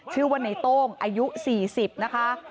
ชื่อว่าในโต้งอายุ๔๐นะคะ